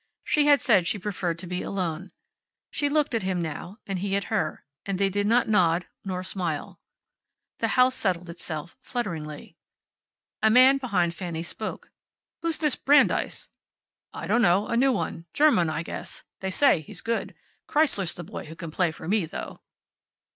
She had said she preferred to be alone. She looked at him now and he at her, and they did not nod nor smile. The house settled itself flutteringly. A man behind Fanny spoke. "Who's this Brandeis?" "I don't know. A new one. German, I guess. They say he's good. Kreisler's the boy who can play for me, though."